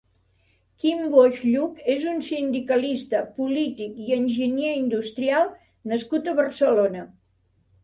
Quim Boix Lluch és un sindicalista, polític i enginyer industrial nascut a Barcelona.